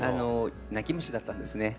泣き虫だったんですね。